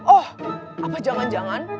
oh apa jangan jangan